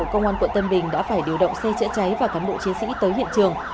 công an quận tân bình đã phải điều động xe chữa cháy và cán bộ chiến sĩ tới hiện trường